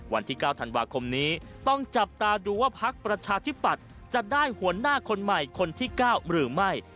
วันที่๙ธันวาคมนี้ต้องจับตาดูว่าพักประชาธิปัตย์จะได้หัวหน้าคนใหม่คนที่๙หรือไม่